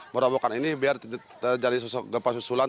merobokkan ini biar tidak terjadi gempa susulan